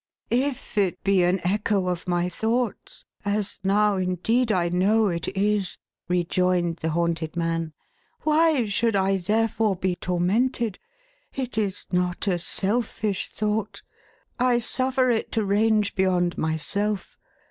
" If it be an echo of my thoughts — as now, indeed, I know it is," rejoined the haunted man, " why should I, therefore, be tormented ? It is not a selfish thought. I suffer it to range beyond myself.